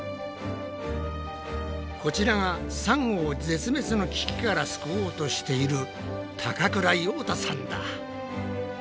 こちらがサンゴを絶滅の危機から救おうとしている高倉葉太さんだ。